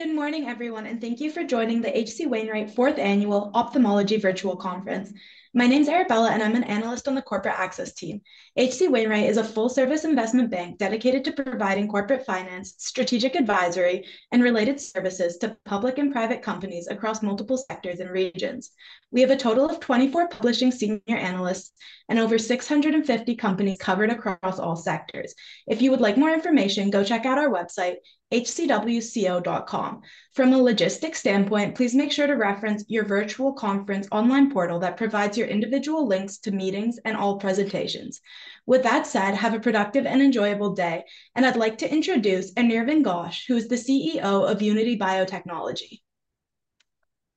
Good morning, everyone, and thank you for joining the H.C. Wainwright Fourth Annual Ophthalmology Virtual Conference. My name's Arabella, and I'm an analyst on the corporate access team. H.C. Wainwright is a full-service investment bank dedicated to providing corporate finance, strategic advisory, and related services to public and private companies across multiple sectors and regions. We have a total of 24 publishing senior analysts and over 650 companies covered across all sectors. If you would like more information, go check out our website, hcwco.com. From a logistics standpoint, please make sure to reference your virtual conference online portal that provides your individual links to meetings and all presentations. With that said, have a productive and enjoyable day, and I'd like to introduce Anirvan Ghosh, who is the CEO of Unity Biotechnology.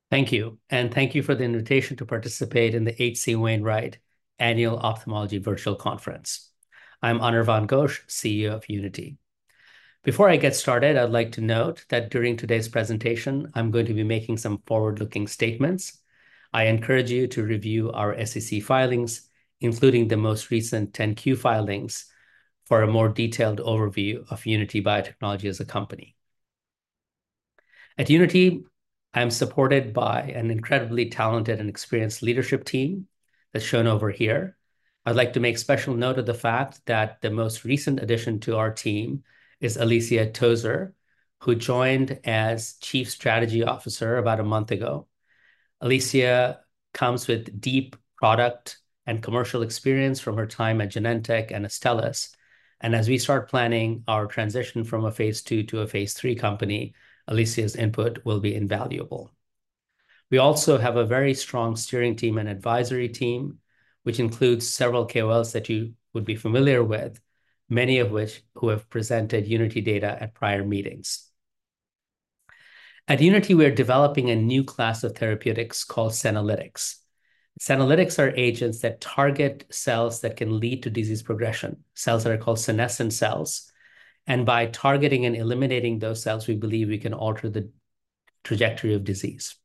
Thank you, and thank you for the invitation to participate in the H.C. Wainwright Annual Ophthalmology Virtual Conference. I'm Anirvan Ghosh, CEO of Unity. Before I get started, I'd like to note that during today's presentation, I'm going to be making some forward-looking statements. I encourage you to review our SEC filings, including the most recent 10-Q filings, for a more detailed overview of Unity Biotechnology as a company. At Unity, I am supported by an incredibly talented and experienced leadership team, as shown over here. I'd like to make special note of the fact that the most recent addition to our team is Alicia Tozer, who joined as Chief Strategy Officer about a month ago. Alicia comes with deep product and commercial experience from her time at Genentech and Astellas. As we start planning our transition from a phase II to a phase III company, Alicia's input will be invaluable. We also have a very strong steering team and advisory team, which includes several KOLs that you would be familiar with, many of which who have presented Unity data at prior meetings. At Unity, we are developing a new class of therapeutics called senolytics. Senolytics are agents that target cells that can lead to disease progression, cells that are called senescent cells, and by targeting and eliminating those cells, we believe we can alter the trajectory of disease.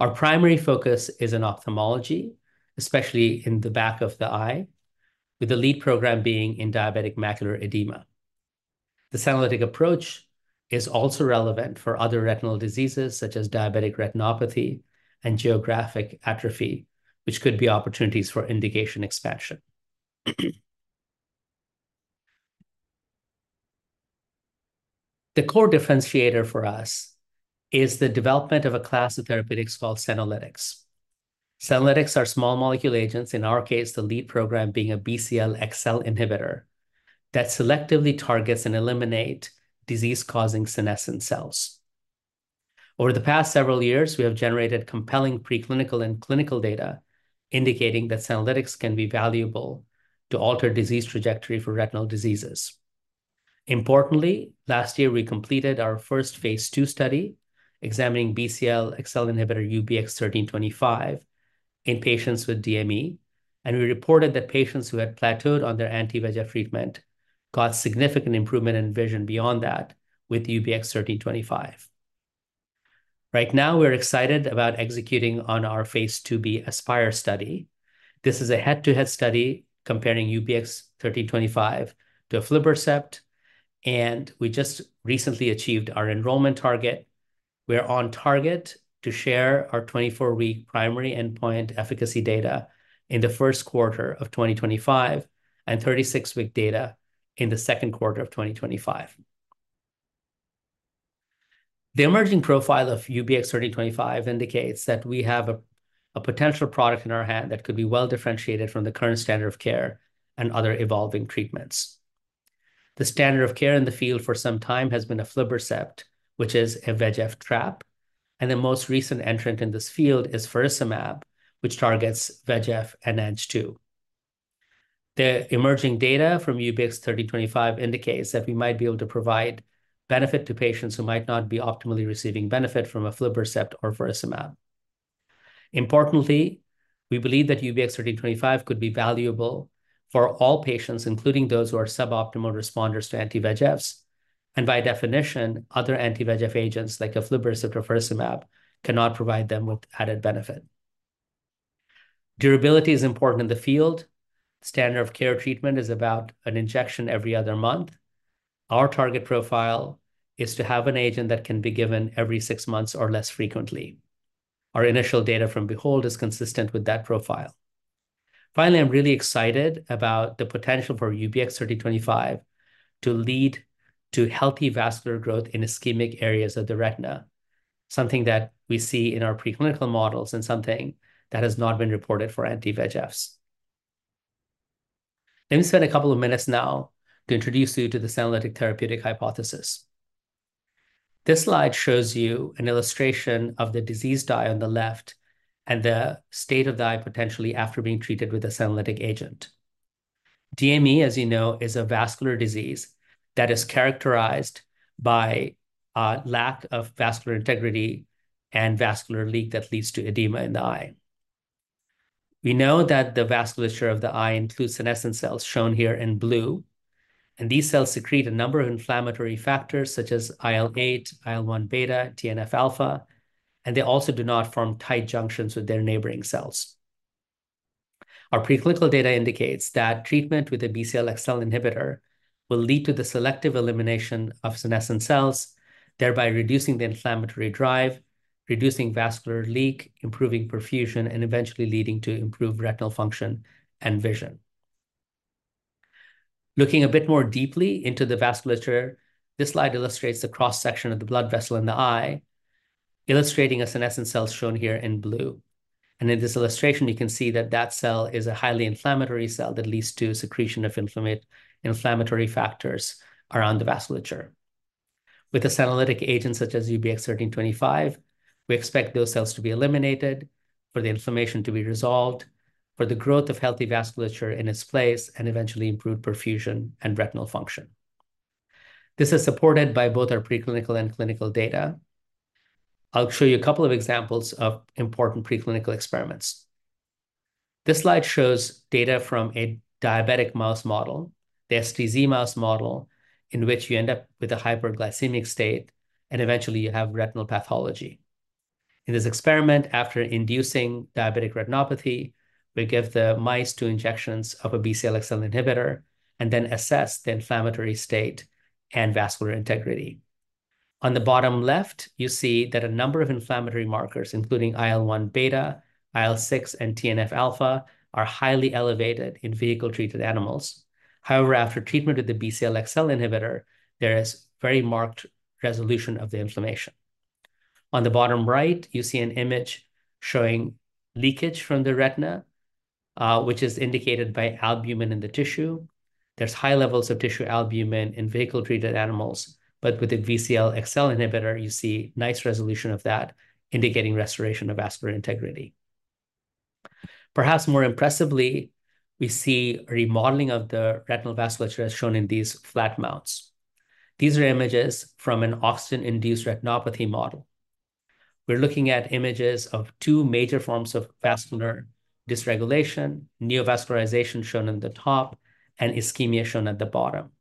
Our primary focus is in ophthalmology, especially in the back of the eye, with the lead program being in diabetic macular edema. The senolytic approach is also relevant for other retinal diseases, such as diabetic retinopathy and geographic atrophy, which could be opportunities for indication expansion. The core differentiator for us is the development of a class of therapeutics called senolytics. Senolytics are small molecule agents, in our case, the lead program being a Bcl-xL inhibitor, that selectively targets and eliminate disease-causing senescent cells. Over the past several years, we have generated compelling preclinical and clinical data indicating that senolytics can be valuable to alter disease trajectory for retinal diseases. Importantly, last year, we completed our first phase II study examining Bcl-xL inhibitor UBX1325 in patients with DME, and we reported that patients who had plateaued on their anti-VEGF treatment got significant improvement in vision beyond that with UBX1325. Right now, we're excited about executing on our phase IIb ASPIRE study. This is a head-to-head study comparing UBX1325 to aflibercept, and we just recently achieved our enrollment target. We are on target to share our 24-week primary endpoint efficacy data in the first quarter of 2025, and 36-week data in the second quarter of 2025. The emerging profile of UBX1325 indicates that we have a potential product in our hand that could be well-differentiated from the current standard of care and other evolving treatments. The standard of care in the field for some time has been aflibercept, which is a VEGF trap, and the most recent entrant in this field is faricimab, which targets VEGF and Ang-2. The emerging data from UBX1325 indicates that we might be able to provide benefit to patients who might not be optimally receiving benefit from aflibercept or faricimab. Importantly, we believe that UBX1325 could be valuable for all patients, including those who are suboptimal responders to anti-VEGFs, and by definition, other anti-VEGF agents, like aflibercept or faricimab, cannot provide them with added benefit. Durability is important in the field. Standard-of-care treatment is about an injection every other month. Our target profile is to have an agent that can be given every six months or less frequently. Our initial data from BEHOLD is consistent with that profile. Finally, I'm really excited about the potential for UBX1325 to lead to healthy vascular growth in ischemic areas of the retina, something that we see in our preclinical models and something that has not been reported for anti-VEGFs. Let me spend a couple of minutes now to introduce you to the senolytic therapeutic hypothesis. This slide shows you an illustration of the diseased eye on the left and the state of the eye potentially after being treated with a senolytic agent. DME, as you know, is a vascular disease that is characterized by a lack of vascular integrity and vascular leak that leads to edema in the eye. We know that the vasculature of the eye includes senescent cells, shown here in blue, and these cells secrete a number of inflammatory factors, such as IL-8, IL-1 beta, TNF-alpha, and they also do not form tight junctions with their neighboring cells.... Our preclinical data indicates that treatment with a Bcl-xL inhibitor will lead to the selective elimination of senescent cells, thereby reducing the inflammatory drive, reducing vascular leak, improving perfusion, and eventually leading to improved retinal function and vision. Looking a bit more deeply into the vasculature, this slide illustrates the cross-section of the blood vessel in the eye, illustrating a senescent cell shown here in blue. In this illustration, you can see that that cell is a highly inflammatory cell that leads to secretion of inflammatory factors around the vasculature. With a senolytic agent such as UBX1325, we expect those cells to be eliminated, for the inflammation to be resolved, for the growth of healthy vasculature in its place, and eventually improved perfusion and retinal function. This is supported by both our preclinical and clinical data. I'll show you a couple of examples of important preclinical experiments. This slide shows data from a diabetic mouse model, the STZ mouse model, in which you end up with a hyperglycemic state, and eventually you have retinal pathology. In this experiment, after inducing diabetic retinopathy, we give the mice two injections of a Bcl-xL inhibitor and then assess the inflammatory state and vascular integrity. On the bottom left, you see that a number of inflammatory markers, including IL-1 beta, IL-6, and TNF-alpha, are highly elevated in vehicle-treated animals. However, after treatment with the Bcl-xL inhibitor, there is very marked resolution of the inflammation. On the bottom right, you see an image showing leakage from the retina, which is indicated by albumin in the tissue. There's high levels of tissue albumin in vehicle-treated animals, but with the Bcl-xL inhibitor, you see nice resolution of that, indicating restoration of vascular integrity. Perhaps more impressively, we see remodeling of the retinal vasculature, as shown in these flat mounts. These are images from an oxygen-induced retinopathy model. We're looking at images of two major forms of vascular dysregulation: neovascularization, shown on the top, and ischemia, shown at the bottom.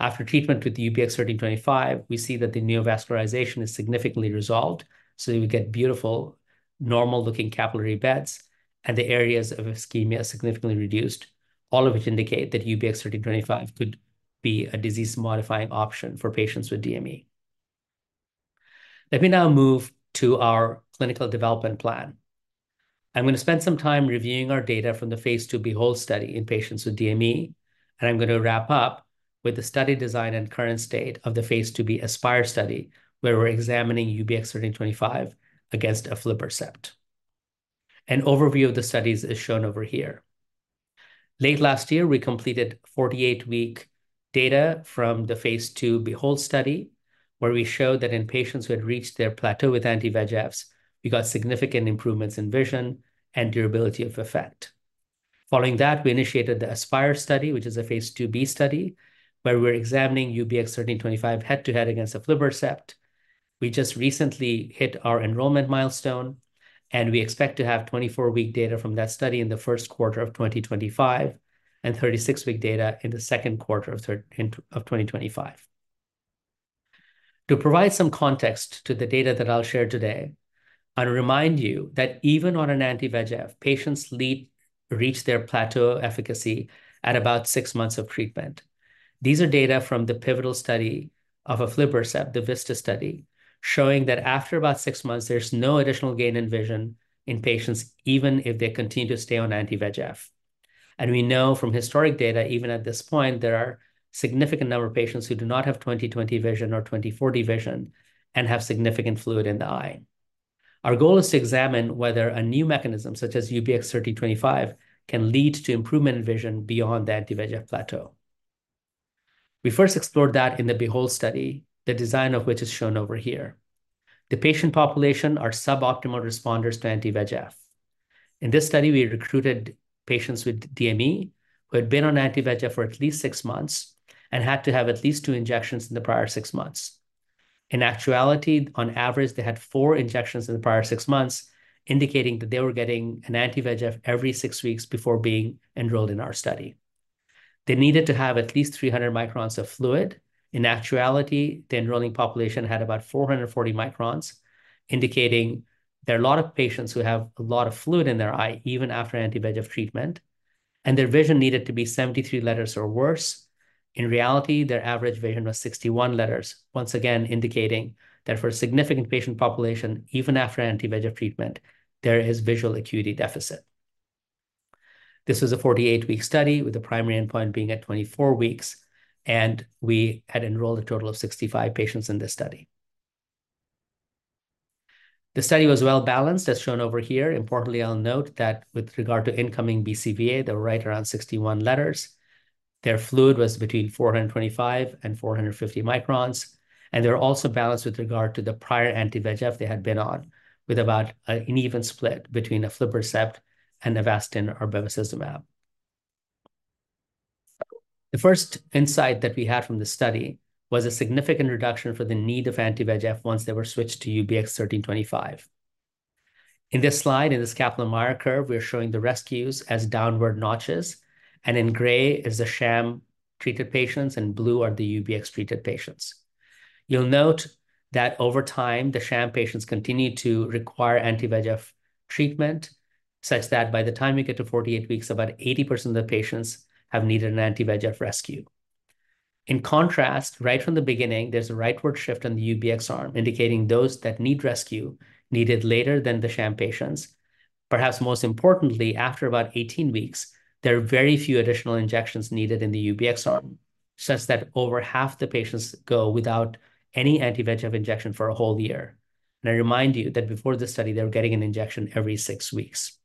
After treatment with the UBX1325, we see that the neovascularization is significantly resolved, so we get beautiful, normal-looking capillary beds, and the areas of ischemia significantly reduced, all of which indicate that UBX1325 could be a disease-modifying option for patients with DME. Let me now move to our clinical development plan. I'm going to spend some time reviewing our data from the phase 2 BEHOLD study in patients with DME, and I'm going to wrap up with the study design and current state of the phase 2b ASPIRE study, where we're examining UBX1325 against aflibercept. An overview of the studies is shown over here. Late last year, we completed 48-week data from the phase 2 BEHOLD study, where we showed that in patients who had reached their plateau with anti-VEGFs, we got significant improvements in vision and durability of effect. Following that, we initiated the ASPIRE study, which is a phase 2b study, where we're examining UBX1325 head-to-head against aflibercept. We just recently hit our enrollment milestone, and we expect to have 24-week data from that study in the first quarter of 2025, and 36-week data in the second quarter of 2025. To provide some context to the data that I'll share today, I'll remind you that even on an anti-VEGF, patients reach their plateau efficacy at about six months of treatment. These are data from the pivotal study of aflibercept, the VISTA study, showing that after about 6 months, there's no additional gain in vision in patients, even if they continue to stay on anti-VEGF. And we know from historic data, even at this point, there are significant number of patients who do not have 20/20 vision or 20/40 vision and have significant fluid in the eye. Our goal is to examine whether a new mechanism, such as UBX1325, can lead to improvement in vision beyond the anti-VEGF plateau. We first explored that in the BEHOLD study, the design of which is shown over here. The patient population are suboptimal responders to anti-VEGF. In this study, we recruited patients with DME who had been on anti-VEGF for at least 6 months and had to have at least 2 injections in the prior 6 months. In actuality, on average, they had 4 injections in the prior 6 months, indicating that they were getting an anti-VEGF every 6 weeks before being enrolled in our study. They needed to have at least 300 microns of fluid. In actuality, the enrolling population had about 440 microns, indicating there are a lot of patients who have a lot of fluid in their eye, even after anti-VEGF treatment, and their vision needed to be 73 letters or worse. In reality, their average vision was 61 letters, once again indicating that for a significant patient population, even after anti-VEGF treatment, there is visual acuity deficit. This was a 48-week study, with the primary endpoint being at 24 weeks, and we had enrolled a total of 65 patients in this study. The study was well-balanced, as shown over here. Importantly, I'll note that with regard to incoming BCVA, they were right around 61 letters. Their fluid was between 425 and 450 microns, and they were also balanced with regard to the prior anti-VEGF they had been on, with about an even split between aflibercept and Avastin or bevacizumab. The first insight that we had from this study was a significant reduction for the need of anti-VEGF once they were switched to UBX1325. In this slide, in this Kaplan-Meier curve, we're showing the rescues as downward notches, and in gray is the sham-treated patients, and blue are the UBX-treated patients. You'll note that over time, the sham patients continued to require anti-VEGF treatment, such that by the time you get to 48 weeks, about 80% of the patients have needed an anti-VEGF rescue. In contrast, right from the beginning, there's a rightward shift on the UBX arm, indicating those that need rescue need it later than the sham patients. Perhaps most importantly, after about 18 weeks, there are very few additional injections needed in the UBX arm, such that over half the patients go without any anti-VEGF injection for a whole year. I remind you that before this study, they were getting an injection every six weeks.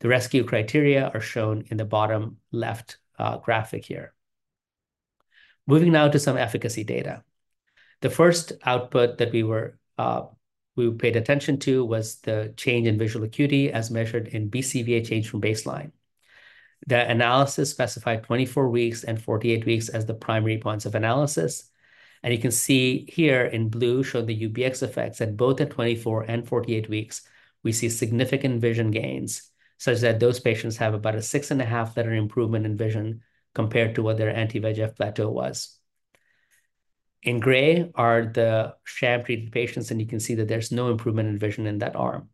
The rescue criteria are shown in the bottom left graphic here. Moving now to some efficacy data. The first output that we paid attention to was the change in visual acuity, as measured in BCVA change from baseline. The analysis specified 24 weeks and 48 weeks as the primary points of analysis. And you can see here in blue, show the UBX effects, at both at 24 and 48 weeks, we see significant vision gains, such that those patients have about a 6.5-letter improvement in vision compared to what their anti-VEGF plateau was. In gray are the sham-treated patients, and you can see that there's no improvement in vision in that arm.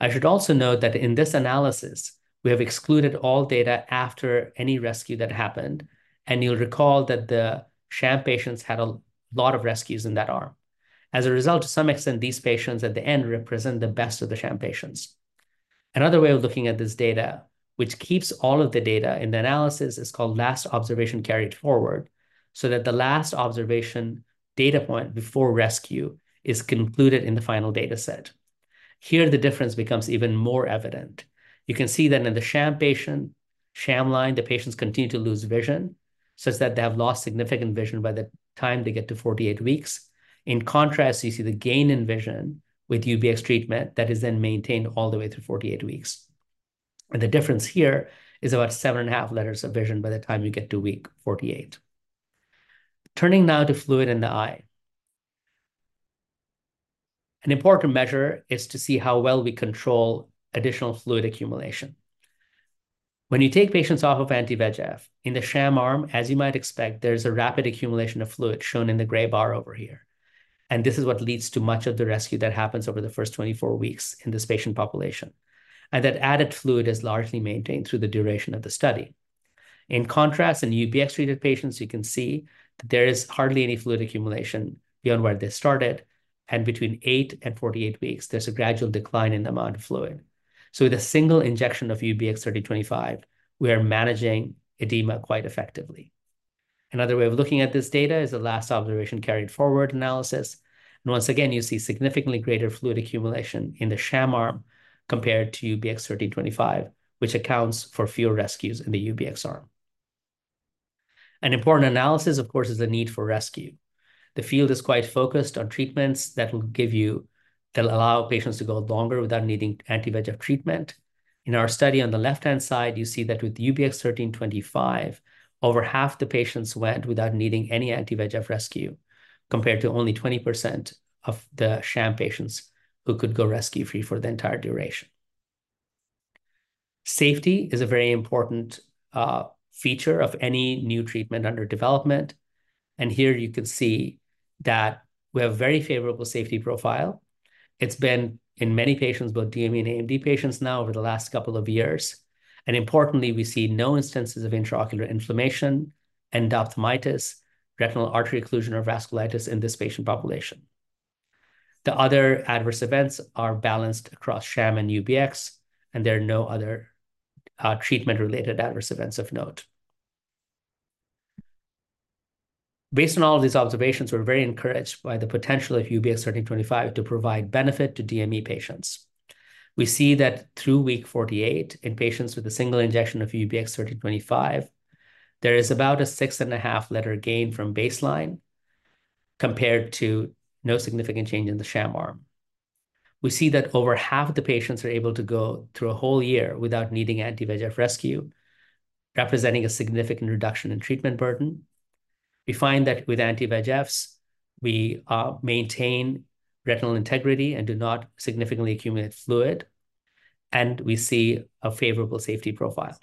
I should also note that in this analysis, we have excluded all data after any rescue that happened, and you'll recall that the sham patients had a lot of rescues in that arm. As a result, to some extent, these patients at the end represent the best of the sham patients. Another way of looking at this data, which keeps all of the data in the analysis, is called last observation carried forward, so that the last observation data point before rescue is concluded in the final dataset. Here, the difference becomes even more evident. You can see that in the sham patient, sham line, the patients continue to lose vision, such that they have lost significant vision by the time they get to 48 weeks. In contrast, you see the gain in vision with UBX treatment that is then maintained all the way through 48 weeks. And the difference here is about 7.5 letters of vision by the time you get to week 48. Turning now to fluid in the eye. An important measure is to see how well we control additional fluid accumulation. When you take patients off of anti-VEGF, in the sham arm, as you might expect, there's a rapid accumulation of fluid shown in the gray bar over here, and this is what leads to much of the rescue that happens over the first 24 weeks in this patient population. That added fluid is largely maintained through the duration of the study. In contrast, in UBX-treated patients, you can see that there is hardly any fluid accumulation beyond where they started, and between eight and 48 weeks, there's a gradual decline in the amount of fluid. So with a single injection of UBX1325, we are managing edema quite effectively. Another way of looking at this data is the last observation carried forward analysis. Once again, you see significantly greater fluid accumulation in the sham arm compared to UBX1325, which accounts for fewer rescues in the UBX arm. An important analysis, of course, is the need for rescue. The field is quite focused on treatments that will give you - that'll allow patients to go longer without needing anti-VEGF treatment. In our study, on the left-hand side, you see that with UBX1325, over half the patients went without needing any anti-VEGF rescue, compared to only 20% of the sham patients who could go rescue-free for the entire duration. Safety is a very important feature of any new treatment under development, and here you can see that we have a very favorable safety profile. It's been in many patients, both DME and AMD patients now over the last couple of years, and importantly, we see no instances of intraocular inflammation, endophthalmitis, retinal artery occlusion, or vasculitis in this patient population. The other adverse events are balanced across sham and UBX, and there are no other treatment-related adverse events of note. Based on all of these observations, we're very encouraged by the potential of UBX1325 to provide benefit to DME patients. We see that through week 48, in patients with a single injection of UBX1325, there is about a 6.5-letter gain from baseline compared to no significant change in the sham arm. We see that over half of the patients are able to go through a whole year without needing anti-VEGF rescue, representing a significant reduction in treatment burden. We find that with anti-VEGFs, we maintain retinal integrity and do not significantly accumulate fluid, and we see a favorable safety profile.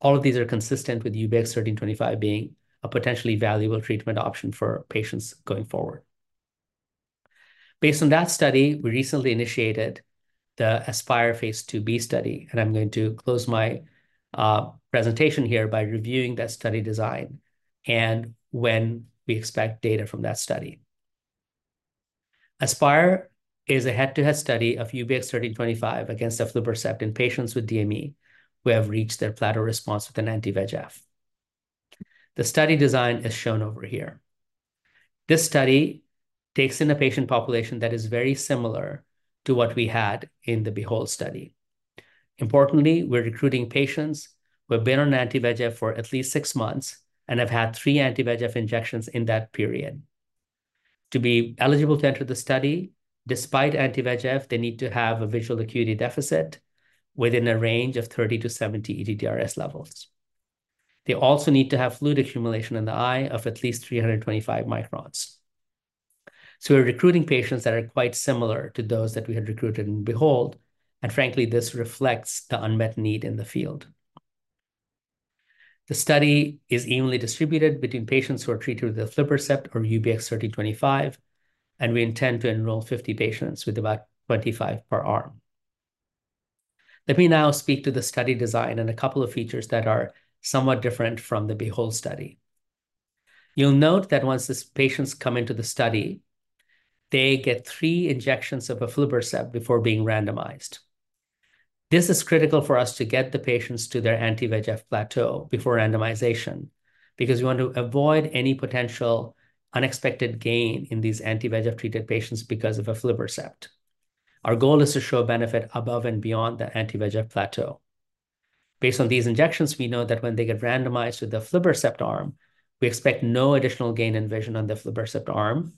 All of these are consistent with UBX1325 being a potentially valuable treatment option for patients going forward. Based on that study, we recently initiated the ASPIRE phase 2b study, and I'm going to close my presentation here by reviewing that study design and when we expect data from that study. ASPIRE is a head-to-head study of UBX1325 against aflibercept in patients with DME who have reached their plateau response with an anti-VEGF. The study design is shown over here. This study takes in a patient population that is very similar to what we had in the BEHOLD study. Importantly, we're recruiting patients who have been on anti-VEGF for at least six months and have had three anti-VEGF injections in that period. To be eligible to enter the study, despite anti-VEGF, they need to have a visual acuity deficit within a range of 30-70 ETDRS levels. They also need to have fluid accumulation in the eye of at least 325 microns. So we're recruiting patients that are quite similar to those that we had recruited in BEHOLD, and frankly, this reflects the unmet need in the field. The study is evenly distributed between patients who are treated with aflibercept or UBX1325, and we intend to enroll 50 patients, with about 25 per arm. Let me now speak to the study design and a couple of features that are somewhat different from the BEHOLD study. You'll note that once these patients come into the study, they get 3 injections of aflibercept before being randomized. This is critical for us to get the patients to their anti-VEGF plateau before randomization, because we want to avoid any potential unexpected gain in these anti-VEGF treated patients because of aflibercept. Our goal is to show a benefit above and beyond the anti-VEGF plateau. Based on these injections, we know that when they get randomized to the aflibercept arm, we expect no additional gain in vision on the aflibercept arm.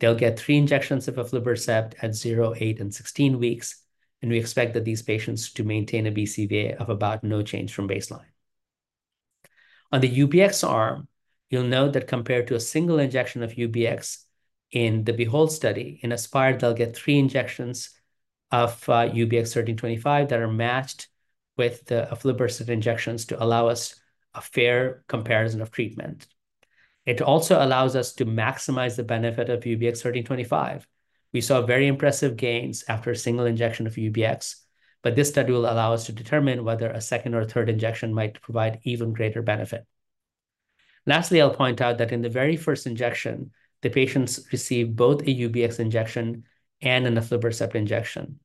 They'll get 3 injections of aflibercept at 0, 8, and 16 weeks, and we expect that these patients to maintain a BCVA of about no change from baseline. On the UBX arm, you'll note that compared to a single injection of UBX in the BEHOLD study, in ASPIRE, they'll get 3 injections of UBX1325 that are matched with the aflibercept injections to allow us a fair comparison of treatment. It also allows us to maximize the benefit of UBX1325. We saw very impressive gains after a single injection of UBX, but this study will allow us to determine whether a second or third injection might provide even greater benefit. Lastly, I'll point out that in the very first injection, the patients received both a UBX injection and an aflibercept injection.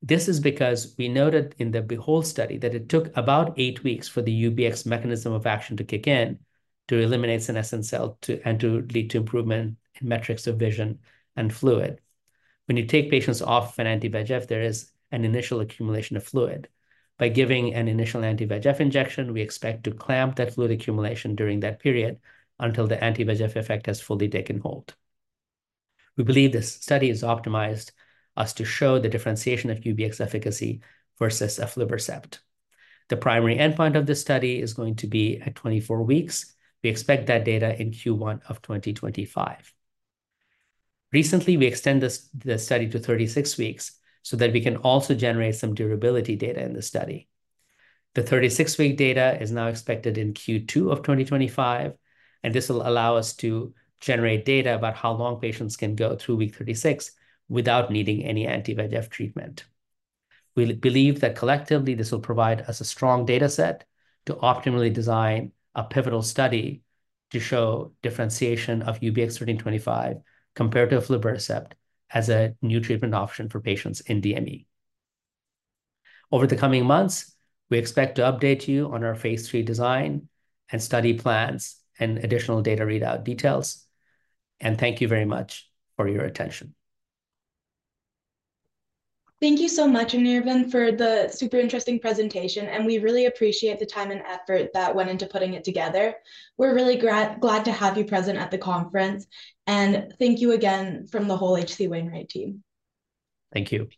This is because we noted in the BEHOLD study that it took about 8 weeks for the UBX mechanism of action to kick in, to eliminate senescent cell, to... and to lead to improvement in metrics of vision and fluid. When you take patients off an anti-VEGF, there is an initial accumulation of fluid. By giving an initial anti-VEGF injection, we expect to clamp that fluid accumulation during that period until the anti-VEGF effect has fully taken hold. We believe this study is optimized us to show the differentiation of UBX efficacy versus aflibercept. The primary endpoint of this study is going to be at 24 weeks. We expect that data in Q1 of 2025. Recently, we extend this, the study to 36 weeks so that we can also generate some durability data in the study. The 36-week data is now expected in Q2 of 2025, and this will allow us to generate data about how long patients can go through week 36 without needing any anti-VEGF treatment. We believe that collectively, this will provide us a strong data set to optimally design a pivotal study to show differentiation of UBX1325 compared to aflibercept as a new treatment option for patients in DME. Over the coming months, we expect to update you on our phase 3 design and study plans and additional data readout details. Thank you very much for your attention. Thank you so much, Anirvan, for the super interesting presentation, and we really appreciate the time and effort that went into putting it together. We're really glad to have you present at the conference, and thank you again from the whole H.C. Wainwright team. Thank you.